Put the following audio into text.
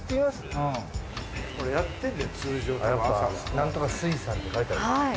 なんとか水産って書いてある。